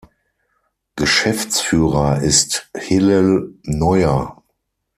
Geschäftsführer ist Hillel Neuer.